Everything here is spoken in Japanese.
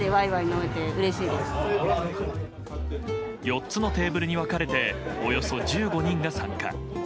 ４つのテーブルに分かれておよそ１５人が参加。